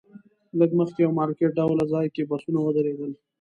لږ مخکې یو مارکیټ ډوله ځای کې بسونه ودرېدل.